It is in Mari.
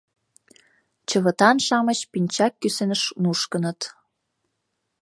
Чывытан-шамыч пинчак кӱсеныш нушкыныт.